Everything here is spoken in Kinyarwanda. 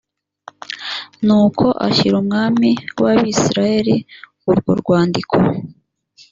nuko ashyira umwami w abisirayeli urwo rwandiko